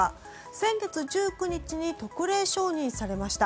先月１９日に特例承認されました。